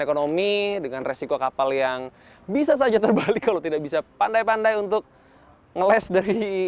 ekonomi dengan resiko kapal yang bisa saja terbalik kalau tidak bisa pandai pandai untuk ngeles dari